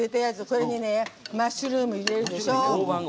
これに、マッシュルーム入れるでしょ。